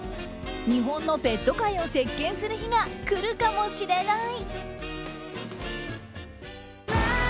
日本のペット界を席巻する日が来るかもしれない。